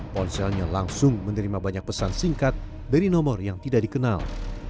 ponselnya langsung menerima banyak pesan singkat dari nomor yang tidak dikenal